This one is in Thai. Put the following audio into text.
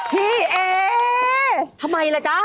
พี่เอ๊ทำไมล่ะจ๊ะ